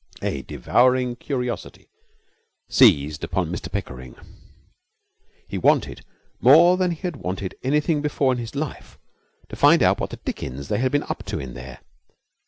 A devouring curiosity seized upon Mr Pickering. He wanted, more than he had wanted almost anything before in his life, to find out what the dickens they had been up to in there.